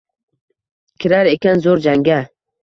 Kirar ekan zo’r jangga.